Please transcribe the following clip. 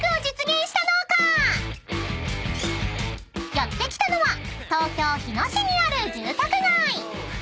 ［やって来たのは東京日野市にある住宅街］